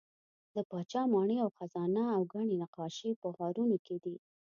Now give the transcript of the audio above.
د پاچا ماڼۍ او خزانه او ګڼې نقاشۍ په غارونو کې دي.